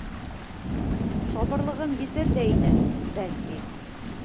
Сабырлығым етер ҙә ине, бәлки.